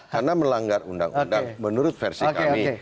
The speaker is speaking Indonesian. karena melanggar undang undang menurut versi kami